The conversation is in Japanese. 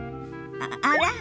あら？